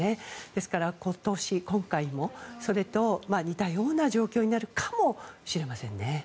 ですから、今年、今回もそれと似たような状況になるかもしれませんね。